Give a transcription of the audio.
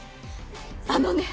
あのね。